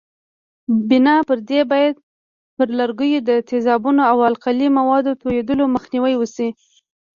بنا پر دې باید پر لرګیو د تیزابونو او القلي موادو توېدلو مخنیوی وشي.